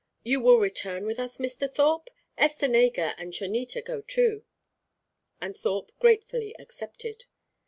You will return with us, Mr. Thorpe? Estenega and Chonita go too." And Thorpe gratefully accepted.